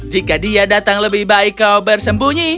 jika dia datang lebih baik kau bersembunyi